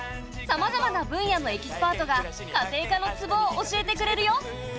さまざまな分野のエキスパートが家庭科のツボを教えてくれるよ。